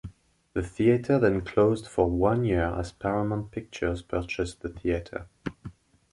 The theater then closed for one year as Paramount Pictures purchased the theater.